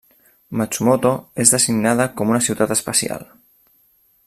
Matsumoto és designada com una ciutat especial.